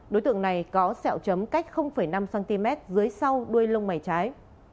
đối tượng này có sẹo chấm cách năm cm dưới sau đuôi lông mày trái